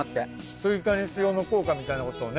スイカに塩の効果みたいなことをね。